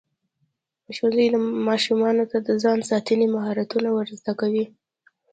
ښوونځی ماشومانو ته د ځان ساتنې مهارتونه ورزده کوي.